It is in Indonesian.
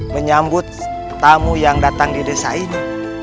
menyambut tamu yang datang di desa ini